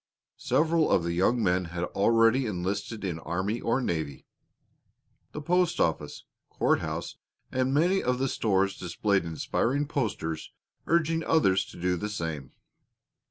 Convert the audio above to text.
Several of the young men had already enlisted in army or navy. The post office, courthouse, and many of the stores displayed inspiring posters urging others to do the same.